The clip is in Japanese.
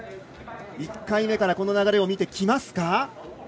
１回目から、この流れを見てきますか？